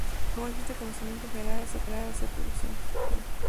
No existe conocimiento general acerca de su reproducción.